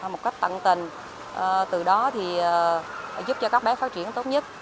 một cách tận tình từ đó thì giúp cho các bé phát triển tốt nhất